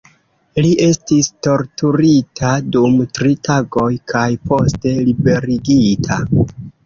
Li estis torturita dum tri tagoj kaj poste liberigita.